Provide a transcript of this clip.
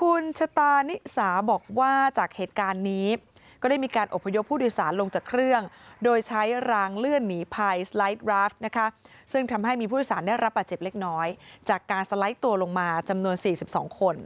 คุณชะตานิสาบอกว่าจากเหตุการณ์นี้ก็ได้มีการอบพยพผู้โดยสารลงจากเครื่องโดยใช้รางเลื่อนหนีภัยสไลด์ดราฟนะคะซึ่งทำให้มีผู้โดยสารได้รับบาดเจ็บเล็กน้อยจากการสไลด์ตัวลงมาจำนวน๔๒คน